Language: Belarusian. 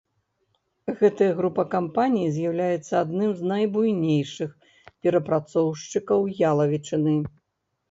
Гэтая група кампаній з'яўляецца адным з найбуйнейшых перапрацоўшчыкаў ялавічыны.